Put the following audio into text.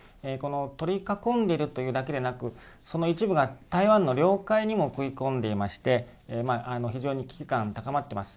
この取り囲んでいるというだけでなくその一部が台湾の領海にも食い込んでいまして今、非常に危機感高まっています。